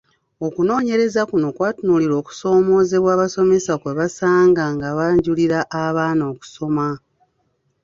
Okunoonyereza kuno kwatunuulira kusomoozebwa abasomesa kwe basanga nga banjulira abaana okusoma.